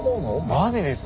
マジです。